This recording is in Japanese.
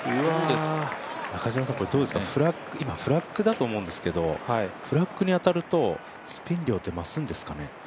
これフラッグだと思うんですけどフラッグに当たるとスピン量って増すんですかね？